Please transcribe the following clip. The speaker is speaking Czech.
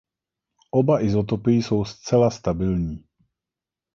Oba izotopy jsou zcela stabilní.